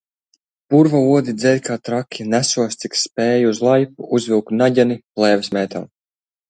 Purva odi dzeļ kā traki, nesos, cik spēju uz laipu, uzvilku naģeni, plēves mēteli.